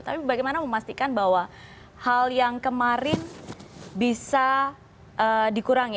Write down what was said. tapi bagaimana memastikan bahwa hal yang kemarin bisa dikurangi